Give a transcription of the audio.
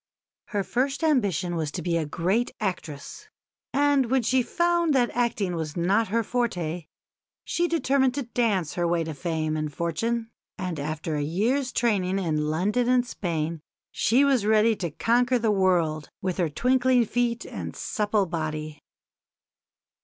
Her first ambition was to be a great actress; and when she found that acting was not her forte she determined to dance her way to fame and fortune, and after a year's training in London and Spain she was ready to conquer the world with her twinkling feet and supple body.